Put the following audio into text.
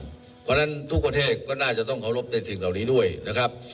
เพราะฉะนั้นทุกประเทศก็น่าจะต้องเคารพในสิ่งเหล่านี้ด้วยนะครับ